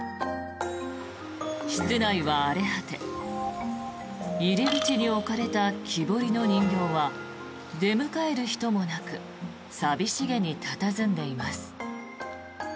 室内は荒れ果て入り口に置かれた木彫りの人形は出迎える人もなく寂しげに佇んでいます。